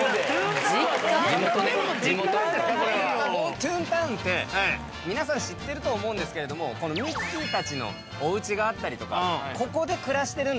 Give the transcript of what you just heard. トゥーンタウンって皆さん知ってると思うんですがミッキーたちのおうちがあったりとかここで暮らしてるんだ。